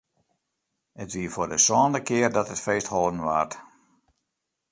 It wie foar de sânde kear dat it feest hâlden waard.